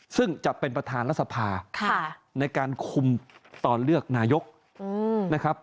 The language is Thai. ซึ่งจะเป็นประธานรัฐสภาในการคุมตอนเลือกนายกนะครับ